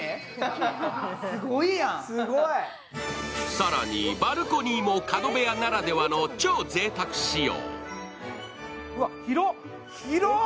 更にバルコニーも角部屋ならではの超ぜいたく仕様。